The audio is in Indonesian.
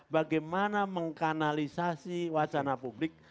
bagaimana mengkanalisasi wacana publik